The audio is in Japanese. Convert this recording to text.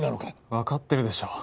わかってるでしょ？